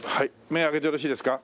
目開けてよろしいですか？